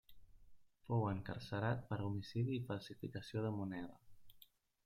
Fou encarcerat per homicidi i falsificació de moneda.